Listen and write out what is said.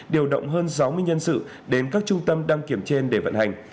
điều động hơn sáu mươi nhân sự đến các trung tâm đăng kiểm trên để vận hành